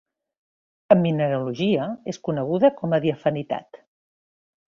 En mineralogia és coneguda com a diafanitat.